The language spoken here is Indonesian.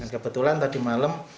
kebetulan tadi malam